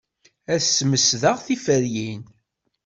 Ad smesdeɣ tiferyin.